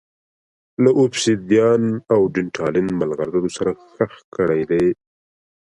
له اوبسیدیان او ډینټالیم مرغلرو سره ښخ کړي دي